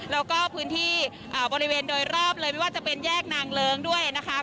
แล้วก็พื้นที่บริเวณโดยรอบเลยไม่ว่าจะเป็นแยกนางเลิ้งด้วยนะคะ